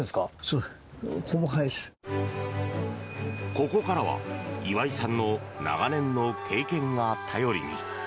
ここからは岩井さんの長年の経験が頼りに。